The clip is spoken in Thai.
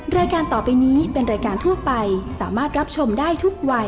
รายการต่อไปนี้เป็นรายการทั่วไปสามารถรับชมได้ทุกวัย